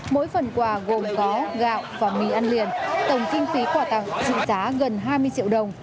mỗi phần quà gồm có gạo và mì ăn liền tổng kinh phí quà tặng trị giá gần hai mươi triệu đồng